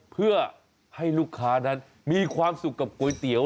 เพื่อให้ลูกค้านั้นมีความสุขกับก๋วยเตี๋ยว